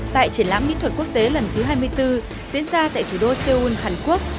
tại triển lãm mỹ thuật quốc tế lần thứ hai mươi bốn diễn ra tại thủ đô seoul hàn quốc